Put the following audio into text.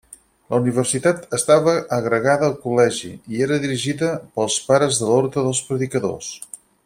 La universitat estava agregada al col·legi, i era dirigida pels pares de l'ordre dels predicadors.